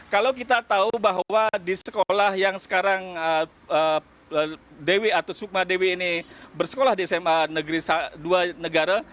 kalau kita tahu bahwa di sekolah yang sekarang dewi atau sukma dewi ini bersekolah di sma dua negara